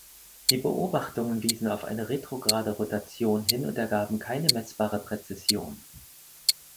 Die Beobachtungen wiesen auf eine retrograde Rotation hin und ergaben keine messbare Präzession.